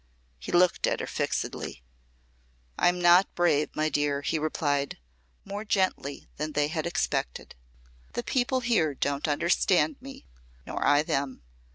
He looked at her fixedly. "I'm not brave, my dear," he replied, more gently than they had expected. "The people here don't understand me, nor I them.